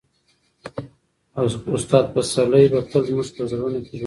استاد پسرلی به تل زموږ په زړونو کې ژوندی وي.